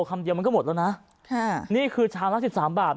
คำเดียวมันก็หมดแล้วนะนี่คือชามละ๑๓บาท